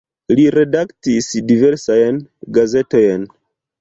Li redaktis diversajn gazetojn.